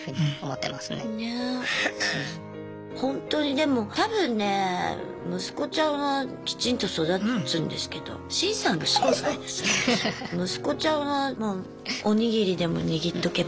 ほんとにでも多分ね息子ちゃんはきちんと育つんですけど息子ちゃんはもうお握りでも握っとけば。